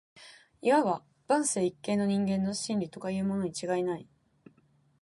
謂わば万世一系の人間の「真理」とかいうものに違いない